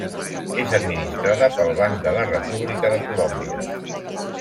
És administrada pel Banc de la República de Colòmbia.